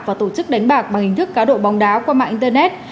và tổ chức đánh bạc bằng hình thức cá độ bóng đá qua mạng internet